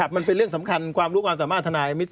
มันเป็นเรื่องสำคัญความรู้ความสามารถทนาย